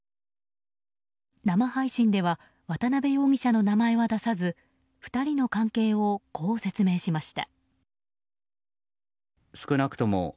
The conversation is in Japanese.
生配信では渡辺容疑者の名前は出さず２人の関係をこう説明しました。